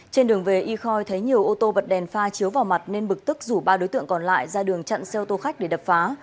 trên đường về y khoi thấy nhiều ô tô bật đèn pha chiếu vào mặt nên bực tức rủ ba đối tượng còn lại ra đường chặn xe ô tô khách để đập phá